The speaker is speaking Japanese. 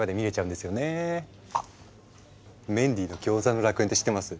あっ「メンディーのギョーザの楽園」って知ってます？